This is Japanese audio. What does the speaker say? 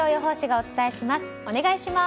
お願いします。